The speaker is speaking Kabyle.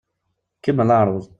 Kemmel aɛeṛṛuḍ!